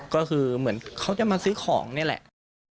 ก็คือเหมือนเขาจะมาซื้อของนี่แหละ